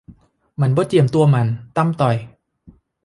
มันบ่เจียมตัวมัน ต่ำต้อย